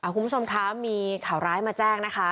คุณผู้ชมคะมีข่าวร้ายมาแจ้งนะคะ